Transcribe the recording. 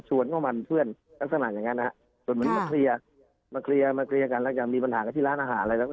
ชวนเข้ามาเผื่อนกันสำหรับอย่างงั้นนะฮะส่วนเหมือนมาเคลียร์มาเคลียร์มาเคลียร์กันแล้วจะมีปัญหากับที่ร้านอาหารอะไรแล้ว